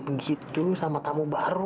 begitu sama kamu baru